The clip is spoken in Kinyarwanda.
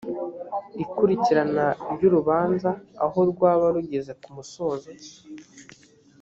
ikurikirana ry urubanza aho rwaba rugeze kumusozo